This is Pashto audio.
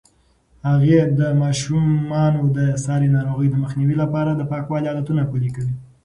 هغې د ماشومانو د ساري ناروغیو د مخنیوي لپاره د پاکوالي عادتونه پلي کوي.